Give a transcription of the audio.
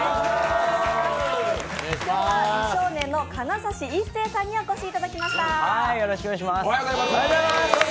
今日は美少年の金指一世さんにお越しいただきました。